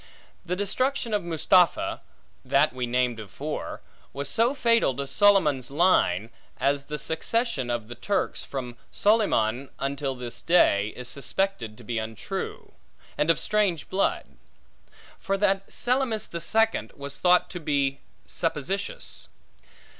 The destruction of Mustapha (that we named before) was so fatal to Solyman's line, as the succession of the Turks, from Solyman until this day, is suspected to be untrue, and of strange blood; for that Selymus the Second, was thought to be suppositious.